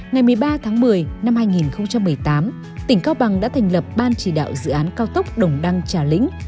ngày một mươi ba tháng một mươi năm hai nghìn một mươi tám tỉnh cao bằng đã thành lập ban chỉ đạo dự án cao tốc đồng đăng trà lĩnh